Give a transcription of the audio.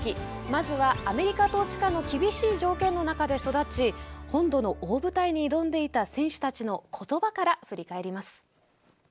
まずはアメリカ統治下の厳しい条件の中で育ち本土の大舞台に挑んでいた選手たちの言葉から振り返ります。